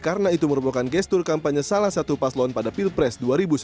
karena itu merupakan gestur kampanye salah satu paslon pada pilpres dua ribu sembilan belas